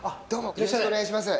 よろしくお願いします。